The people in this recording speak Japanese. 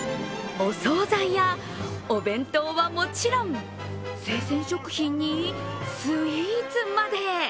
お総菜やお弁当はもちろん、生鮮食品に、スイーツまで。